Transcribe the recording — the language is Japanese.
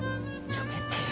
やめてよ。